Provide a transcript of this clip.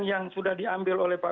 yang sudah diambil oleh pak